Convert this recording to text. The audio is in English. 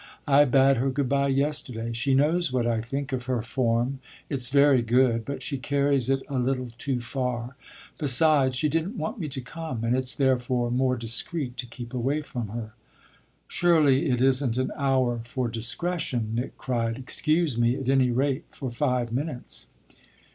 I bade her good bye yesterday. She knows what I think of her form. It's very good, but she carries it a little too far. Besides, she didn't want me to come, and it's therefore more discreet to keep away from her." "Surely it isn't an hour for discretion!" Nick cried. "Excuse me at any rate for five minutes."